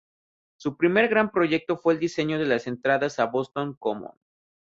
Su primer gran proyecto fue el diseño de las entradas al Boston Common.